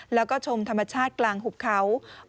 แล้วก็ชมธรรมชาติกลางหุบเขา